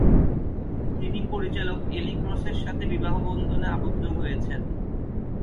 তিনি পরিচালক এলি ক্রসের সাথে বিবাহবন্ধনে আবদ্ধ হয়েছেন।